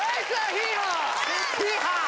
ヒーハー！